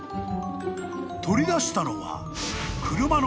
［取り出したのは］